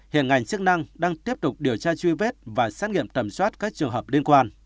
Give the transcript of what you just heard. hiện ngành chức năng đang tiếp tục điều tra truy vết và xét nghiệm tầm soát các trường hợp liên quan